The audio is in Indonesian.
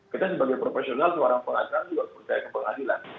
kita sebagai profesional seorang pengacara juga percaya ke pengadilan